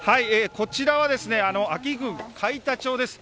こちらは、安芸郡海田町です。